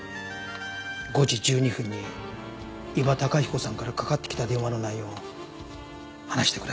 ５時１２分に伊庭崇彦さんからかかってきた電話の内容を話してください。